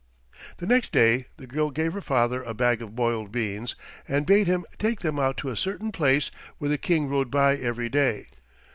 The next day the girl gave her father a bag of boiled beans and bade him take them out to a certain place where the King rode by every day.